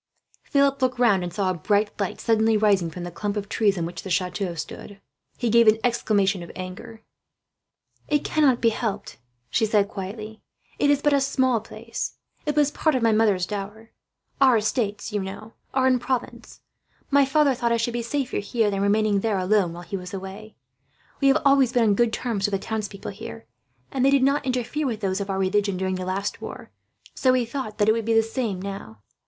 Philip looked round, and saw a bright light suddenly rising from the clump of trees on which the chateau stood. He gave an exclamation of anger. "It cannot be helped," she said quietly. "It is but a small place. It was part of my mother's dower. Our estates, you know, are in Provence. My father thought I should be safer, here, than remaining there alone while he was away. We have always been on good terms with the townspeople here, and they did not interfere with those of our religion during the last war; so we thought that it would be the same now.